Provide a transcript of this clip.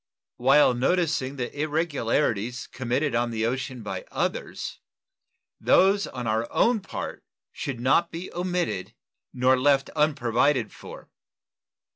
While noticing the irregularities committed on the ocean by others, those on our own part should not be omitted nor left unprovided for.